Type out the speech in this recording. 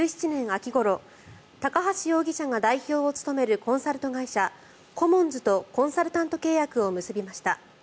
秋ごろ高橋容疑者が代表を務めるコンサルタント会社コモンズとコンサルタント契約を結びました。